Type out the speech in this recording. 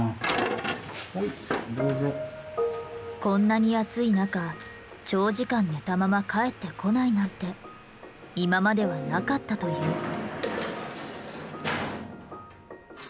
こんなに暑い中長時間寝たまま帰ってこないなんて今まではなかったという。